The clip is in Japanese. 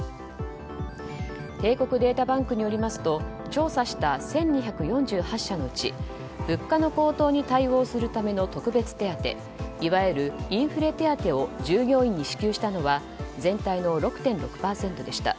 帝国データバンクによりますと調査した１２４８社のうち物価の高騰に対応するための特別手当いわゆるインフレ手当を従業員に支給したのは全体の６．６％でした。